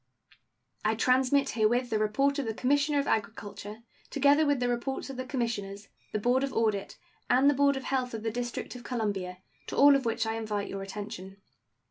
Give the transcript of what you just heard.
I transmit herewith the report of the Commissioner of Agriculture, together with the reports of the Commissioners, the board of audit, and the board of health of the District of Columbia, to all of which I invite your attention.